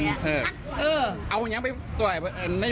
บรรยากาศเขาบอกว่าสนุกสนานนะ